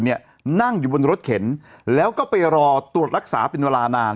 นั่งอยู่บนรถเข็นแล้วก็ไปรอตรวจรักษาเป็นเวลานาน